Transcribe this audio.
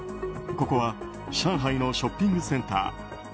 ここは上海のショッピングセンター。